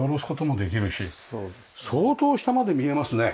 相当下まで見えますね。